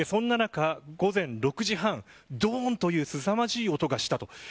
そんな中、午前６時３０分どーんというすさまじい音がした。